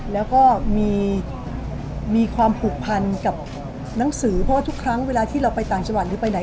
แล้วก็มีความผูกพันกับหนังสือเพราะว่าทุกครั้งเวลาที่เราไปต่างจังหวัดหรือไปไหน